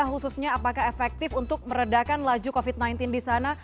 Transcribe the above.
khususnya apakah efektif untuk meredakan laju covid sembilan belas di sana